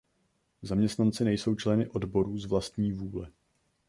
Zaměstnanci nejsou členy odborů z vlastní vůle.